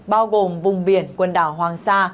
bao gồm vùng biển quần đảo hoàng sa